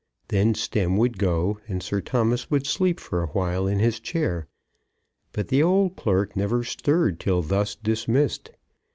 Then Stemm would go, and Sir Thomas would sleep for a while in his chair. But the old clerk never stirred till thus dismissed.